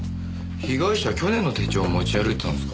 被害者去年の手帳を持ち歩いてたんですか。